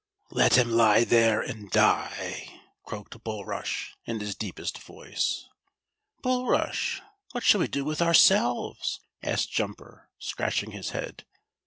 "Let him lie there and die!" croaked Bulrush, in his deepest voice. "Bulrush, what shall we do with ourselves?" asked Jumper, scratching his head.